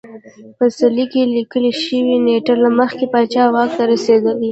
په څلي کې لیکل شوې نېټه له مخې پاچا واک ته رسېدلی